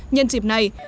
nhân dịp này